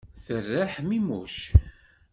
Terra ḥmimuc.